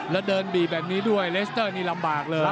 แล้วเดินบีบแบบนี้ด้วยเลสเตอร์นี่ลำบากเลย